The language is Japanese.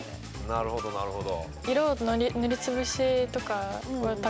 なるほどなるほど。